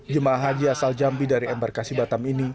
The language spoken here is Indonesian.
jemaah haji asal jambi dari embarkasi batam ini